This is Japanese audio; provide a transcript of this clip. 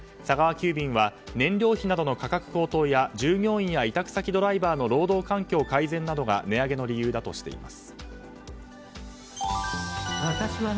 急便は燃料費などの価格高騰や従業員や委託先ドライバーの労働環境改善などが値上げの理由だとしています。